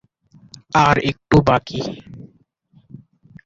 আর একটু বাকি!